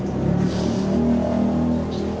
kalau saya terpuruk terpuru